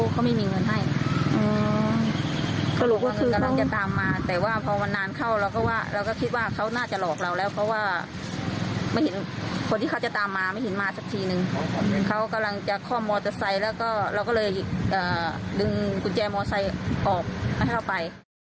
ดึงกุญแจมอเตอร์ไซต์ออกให้เข้าไป